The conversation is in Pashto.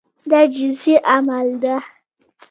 دا جنسي عمل ده.